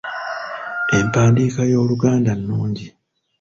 Empandiika y’Oluganda nnungi.